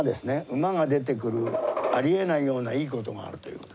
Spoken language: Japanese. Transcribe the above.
馬が出てくるありえないようないいことがあるということ。